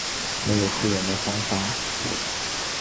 没有复原的方法